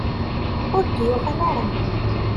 Ur d-yuɣal ara.